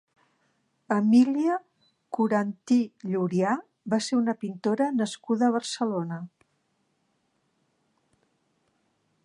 Emília Coranty Llurià va ser una pintora nascuda a Barcelona.